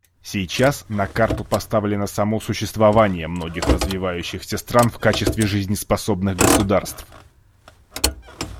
Сейчас на карту поставлено само существование многих развивающихся стран в качестве жизнеспособных государств.